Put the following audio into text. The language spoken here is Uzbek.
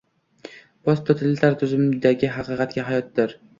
posttotalitar tuzumdagi “haqiqatdagi hayot”dir.